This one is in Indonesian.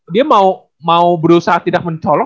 dia mau berusaha tidak mencolong